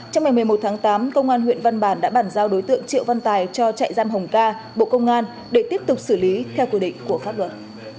trong ngày một mươi một tháng tám công an huyện văn bản đã bàn giao đối tượng triệu văn tài cho trại giam hồng ca bộ công an để tiếp tục xử lý theo quy định của pháp luật